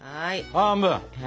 半分。